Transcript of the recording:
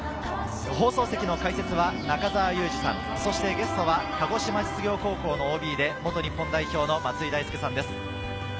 放送席の解説は中澤佑二さん、ゲストは鹿児島実業高校のＯＢで元日本代表の松井大輔さんです。